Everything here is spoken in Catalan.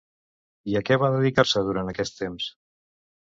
I a què va dedicar-se durant aquest temps?